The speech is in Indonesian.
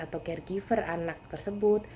atau caregiver anak tersebut